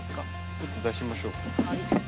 ちょっと出しましょう。